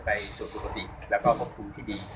ไปสู่ปกติแล้วก็บกภูมิที่ดี